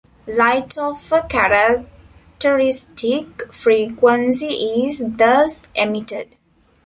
Light of a characteristic frequency is thus emitted.